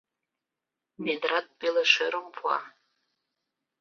- Ведрат пеле шӧрым пуа.